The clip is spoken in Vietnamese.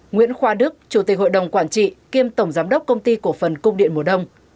nguyễn khoa đức chủ tịch hội đồng quản trị kiêm tổng giám đốc công ty cổ phần cung điện mùa đông